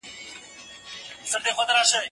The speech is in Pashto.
که وخت وي، لاس پرېولم،